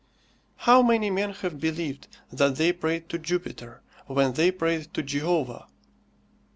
How many men have believed that they prayed to Jupiter, when they prayed to Jehovah!